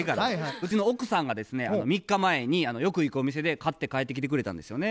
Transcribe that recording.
うちの奥さんがですね３日前によく行くお店で買って帰ってきてくれたんですよね。